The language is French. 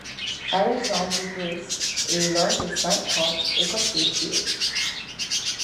Alexandre Bruce est l'un des cinq comtes écossais tués.